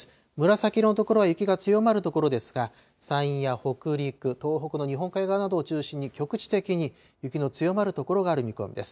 紫色の所は雪が強まる所ですが、山陰や北陸、東北の日本海側などを中心に、局地的に雪の強まる所がある見込みです。